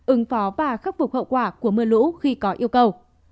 ứng phó và khắc phục hậu quả của mưa lũ khi có yêu cầu